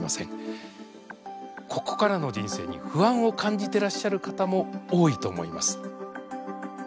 ここからの人生に不安を感じてらっしゃる方も多いと思います。